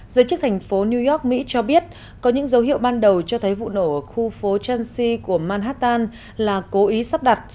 giới chức thành phố new york mỹ cho biết có những dấu hiệu ban đầu cho thấy vụ nổ ở khu phố chansy của manhattan là cố ý sắp đặt